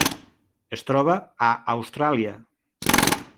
Es troba a Austràlia.